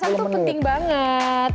pemanasan tuh penting banget